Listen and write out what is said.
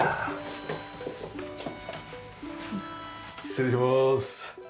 失礼します。